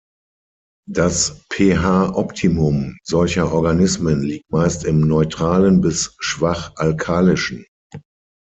Das pH-Optimum solcher Organismen liegt meist im Neutralen bis schwach Alkalischen.